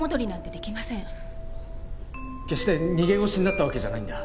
決して逃げ腰になったわけじゃないんだ。